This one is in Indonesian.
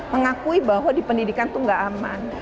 mengakui bahwa di pendidikan itu gak aman